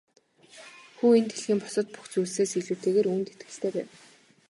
Хүү энэ дэлхийн бусад бүх зүйлсээс илүүтэйгээр үүнд итгэлтэй байв.